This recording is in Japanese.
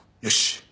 よし。